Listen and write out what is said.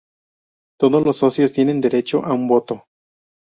Todos los socios tiene derecho a un voto.